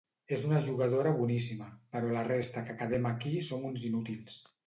És una jugadora boníssima, però la resta que quedem aquí som uns inútils.